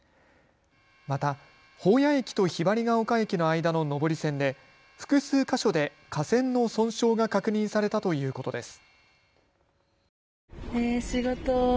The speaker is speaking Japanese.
また、保谷駅とひばりヶ丘駅の間の上り線で複数箇所で架線の損傷が確認されたということです。